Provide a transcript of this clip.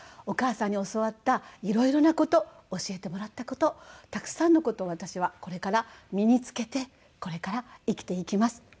お母さんに教わった色々な事教えてもらった事たくさんの事を私はこれから身につけてこれから生きていきます。